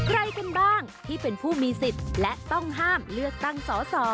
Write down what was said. ใครกันบ้างที่เป็นผู้มีสิทธิ์และต้องห้ามเลือกตั้งสอสอ